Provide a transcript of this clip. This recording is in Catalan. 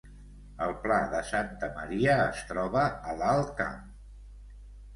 El Pla de Santa Maria es troba a l’Alt Camp